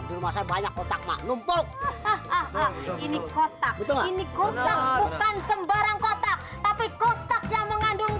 ini kotak kotak bukan sembarang kotak tapi kotak yang mengandung